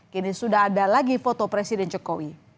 kini sudah ada lagi foto presiden jokowi